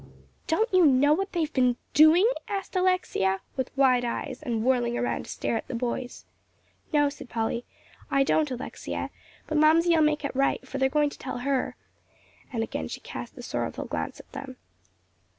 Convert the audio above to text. "Don't you know what they've been doing?" asked Alexia, with wide eyes, and whirling around to stare at the boys. "No," said Polly, "I don't, Alexia, but Mamsie'll make it right, for they're going to tell her," and again she cast a sorrowful glance at them.